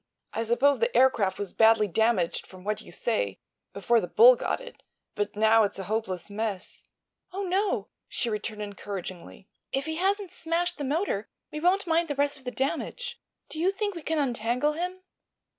I suppose the aircraft was badly damaged, from what you say, before the bull got it; but now it's a hopeless mess." "Oh, no," she returned, encouragingly. "If he hasn't smashed the motor we won't mind the rest of the damage. Do you think we can untangle him?"